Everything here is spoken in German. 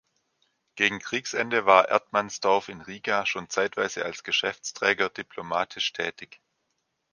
Gegen Kriegsende war Erdmannsdorff in Riga schon zeitweise als Geschäftsträger diplomatisch tätig.